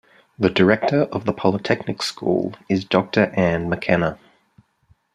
The director of the Polytechnic School is Doctor Ann McKenna.